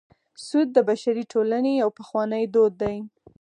سود د بشري ټولنې یو پخوانی دود دی